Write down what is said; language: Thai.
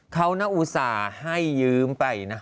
เขาน่าอุตส่าห์ให้ยืมไปนะ